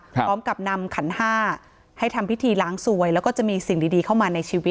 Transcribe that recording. พร้อมกับนำขันห้าให้ทำพิธีล้างสวยแล้วก็จะมีสิ่งดีเข้ามาในชีวิต